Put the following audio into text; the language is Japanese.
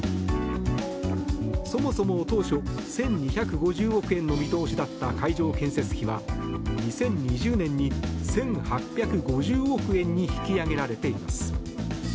そもそも、当初１２５０億円の見通しだった会場建設費は、２０２０年に１８５０億円に引き上げられています。